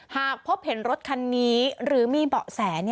หากพบเห็นรถคันนี้หรือมีเบาะแส